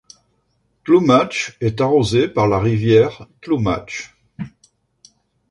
Tloumatch est arrosée par la rivière Tloumatch.